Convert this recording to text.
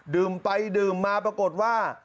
ดื่มไปดื่มมาปรากฏว่า